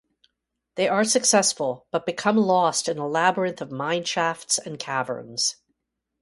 They are successful but become lost in a labyrinth of mine-shafts and caverns.